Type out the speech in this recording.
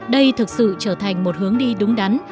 đây thực sự trở thành một hướng đi đúng đắn